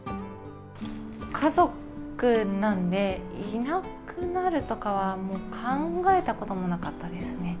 家族なので、いなくなるとかはもう考えたこともなかったですね。